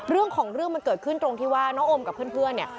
เรื่องของเรื่องมันเกิดขึ้นตรงที่ว่าน้องโอมกับเพื่อนเนี่ย